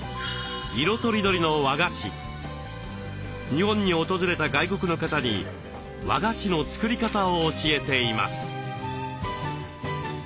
日本に訪れた外国の方に和菓子の作り方を教えています。